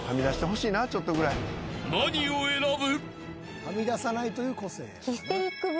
［何を選ぶ？］